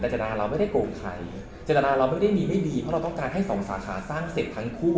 จนาเราไม่ได้โกงใครเจตนาเราไม่ได้มีไม่ดีเพราะเราต้องการให้สองสาขาสร้างเสร็จทั้งคู่